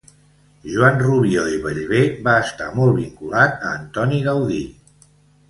Joan Rubió i Bellver va estar molt vinculat a Antoni Gaudí.